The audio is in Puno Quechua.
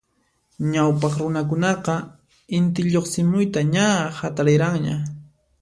Ñawpaq runakunaqa Inti lluqsimuyta ña hatariranña.